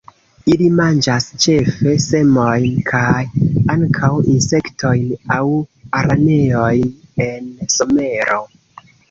Ili manĝas ĉefe semojn, kaj ankaŭ insektojn aŭ araneojn en somero.